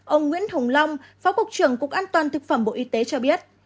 ông nguyễn hồng long phó cục trưởng cục an toàn thực phẩm bộ y tế cho biết